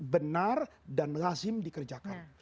benar dan lazim dikerjakan